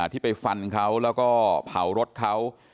ที่ไปฟันเขาแล้วก็เผารถเขา